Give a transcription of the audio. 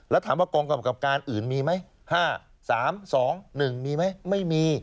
แล้วถามว่ากองกำกับการอื่นมีไหม๕๓๒๑มีไหมไม่มี